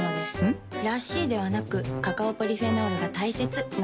ん？らしいではなくカカオポリフェノールが大切なんです。